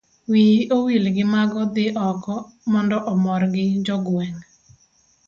wiyi owil gi mago dhi oko mondo imorgi jogweng'